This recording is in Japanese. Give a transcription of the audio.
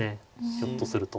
ひょっとすると。